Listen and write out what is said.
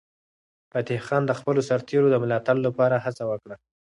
فتح خان د خپلو سرتیرو د ملاتړ لپاره هڅه وکړه.